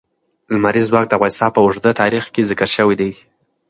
لمریز ځواک د افغانستان په اوږده تاریخ کې ذکر شوی دی.